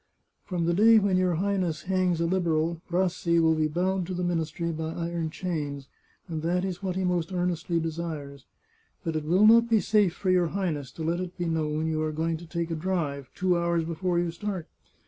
" From the day when your Highness hangs a Liberal, Rassi will be bound to the ministry by iron chains, and that is what he most earnestly desires. But it will not be safe for your Highness to let it be known you are going to take a drive, two hours before you start.